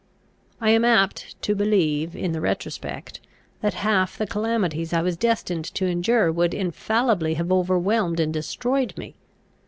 I am apt to believe, in the retrospect, that half the calamities I was destined to endure would infallibly have overwhelmed and destroyed me.